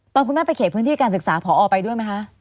คุณแม่ไปเขตพื้นที่การศึกษาพอไปด้วยไหมคะ